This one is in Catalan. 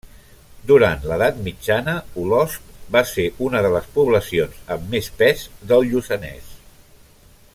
Durant l’Edat Mitjana, Olost va ser una de les poblacions amb més pes del Lluçanès.